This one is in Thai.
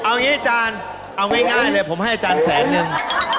เอางี้อาจารย์เอาง่ายเลยผมให้อาจารย์แสนนึง